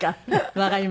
わかりました。